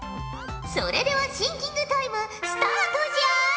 それではシンキングタイムスタートじゃ！